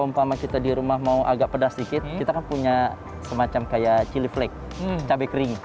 umpama kita di rumah mau agak pedas dikit kita kan punya semacam kayak cili flake cabai kering